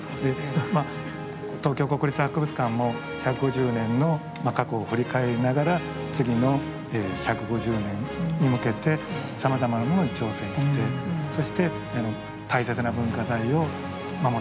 東京国立博物館も１５０年の過去を振り返りながら次の１５０年に向けてさまざまなものに挑戦してそして大切な文化財を守っていきたい。